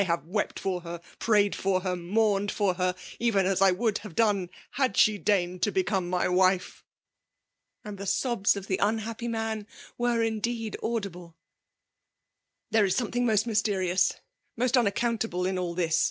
have wept for her, prayed for her, mourned for her, even as I would have done, had she deigned to become my wife !'* And the sobs of the unhappy man were indeed audible. FEMALE DOMINATION. 193 '^ There is something most mysterious, mo^t unaccountable in all this!